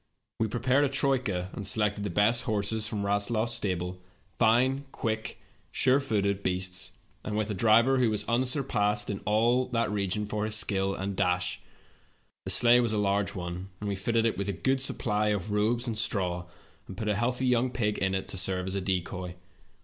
"We prepared a troika and selected the best horses from RaslofiPs stable ; fine, quick, sure footed CHASED BY WOLVES. 161 beasts, and with a driver who was unsurpassed in all that region for his skill and dash. The sleigh was a large one, and we fitted it with a good supply of robes and stra w, and put a healthv '^ "the driver." young pig in it to serve as a decoy.